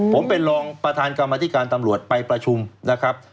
ผมเป็นรองประธานกรรมธิการตำรวจไปประชุมนะครับ